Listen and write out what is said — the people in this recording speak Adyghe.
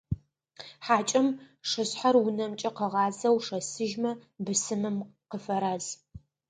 Хьакӏэм шышъхьэр унэмкӏэ къыгъазэу шэсыжьмэ, бысымым къыфэраз.